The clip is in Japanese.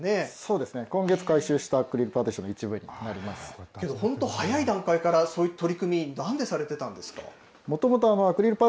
そうですね、今月回収したクリアパーティションの一部になり本当、早い段階からそういう取り組み、なんでされてたんですか。